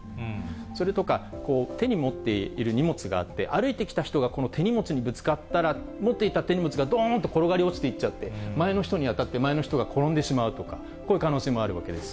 それから手に持っている荷物があって、歩いてきた人がこの手荷物にぶつかったら、持っていた手荷物が転がり落ちちゃって前の人に当たって、前の人が転んでしまうとか、こういう可能性もあるわけです。